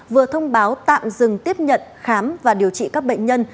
vừa thông báo tạm dừng tiếp nhận khám và điều trị các bệnh nhân